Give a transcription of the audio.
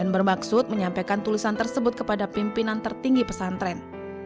bermaksud menyampaikan tulisan tersebut kepada pimpinan tertinggi pesantren